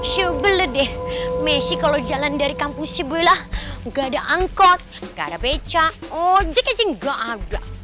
syu beled deh meshi kalau jalan dari kampus syu beled lah gak ada angkot gak ada beca ojek aja gak ada